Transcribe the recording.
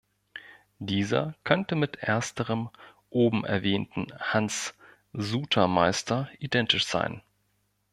Dieser könnte mit ersterem oben erwähnten Hans Sutermeister identisch sein.